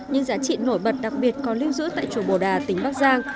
những giá trị nổi bật đặc biệt còn lưu giữ tại chùa bồ đà tỉnh bắc giang